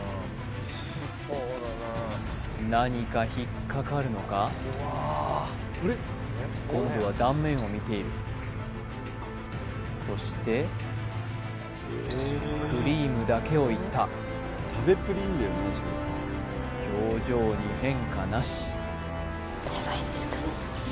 何か引っかかるのか今度は断面を見ているそしてクリームだけをいった表情に変化なし